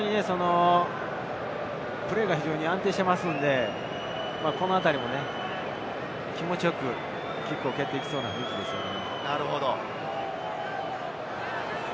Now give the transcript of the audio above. プレーが非常に安定していますので、このあたりも気持ちよくキックを蹴っていきそうな雰囲気ですね。